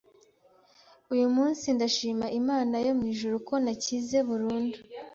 Uyu munsi ndashima Imana yo mu ijuru ko nakize burundu